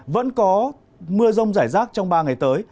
vẫn có mưa rông rải rác trong ba ngày tới